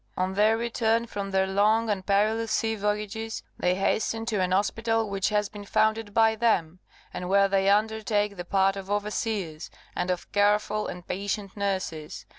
On their return from their long and perilous sea voyages, they hasten to an hospital which has been founded by them, and where they undertake the part of overseers, and of careful and patient nurses.